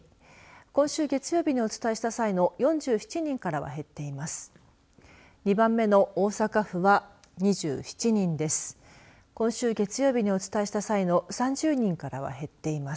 今週月曜日にお伝えした際の４７人からは減っています。